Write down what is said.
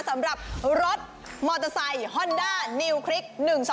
สำหรับรถมอเตอร์ไซค์ฮอนด้านิวคลิก๑๒